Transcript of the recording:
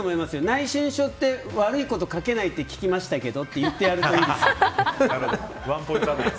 内申書って悪いこと書けないって聞きましたけどって言ってやるといいですよ。